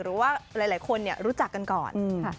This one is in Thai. หรือว่าหลายคนรู้จักกันก่อน